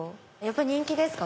人気ですか？